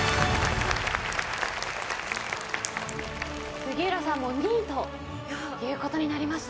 杉浦さんも２位ということになりました。